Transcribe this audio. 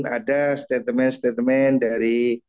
ada statement statement dari